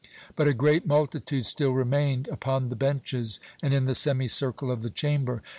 But a great multitude still remained upon the benches and in the semi circle of the Chamber.